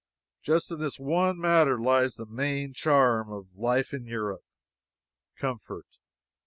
Just in this one matter lies the main charm of life in Europe comfort.